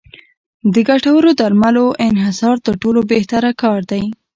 د ګټورو درملو انحصار تر ټولو بهتره کار دی.